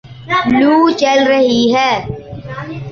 لوُ چل رہی ہے